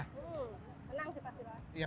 menang sih pasti pak